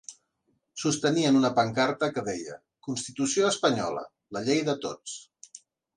Sostenien una pancarta que deia: Constitució espanyola: la llei de tots.